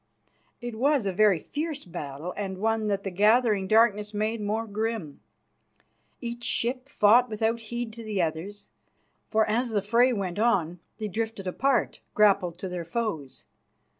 It was a very fierce battle, and one that the gathering darkness made more grim. Each ship fought without heed to the others, for as the fray went on they drifted apart, grappled to their foes.